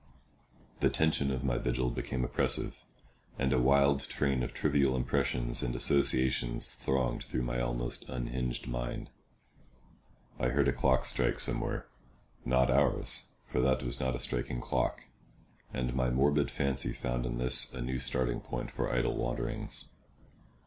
The tension of my vigil became oppressive, and a wild train of trivial impressions and associations thronged through my almost unhinged mind. I heard a clock strike somewhere—not ours, for that was not a striking clock—and my morbid fancy found in this a new starting point for idle wanderings.